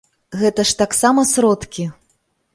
Гэта ж таксама сродкі!